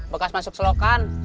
bekas masuk selokan